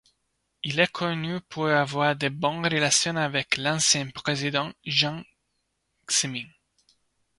Il est connu pour avoir de bonnes relations avec l’ancien président Jiang Zemin.